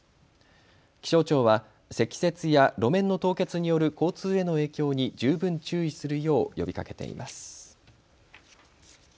気象庁は積雪や路面の凍結による交通への影響に十分注意するよう呼びかけています。